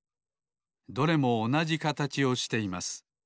どれもおなじかたちをしています。